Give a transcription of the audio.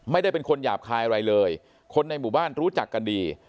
ไม่ได้เป็นคนหยาบคายอะไรเลยคนในหมู่บ้านรู้จักกันดี